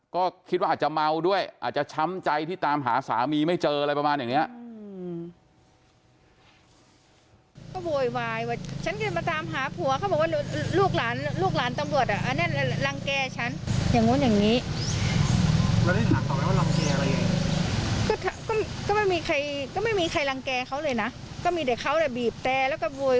ก็คิดว่าอาจจะเมาด้วยอาจจะช้ำใจที่ตามหาสามีไม่เจออะไรประมาณอย่างนี้